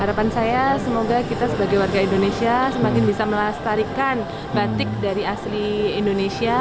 harapan saya semoga kita sebagai warga indonesia semakin bisa melestarikan batik dari asli indonesia